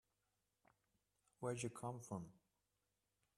Where do you come from?